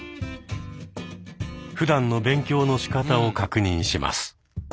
ふだんの勉強のしかたを確認します。